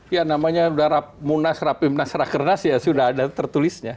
ya namanya munas rapimnas rakernas ya sudah ada tertulisnya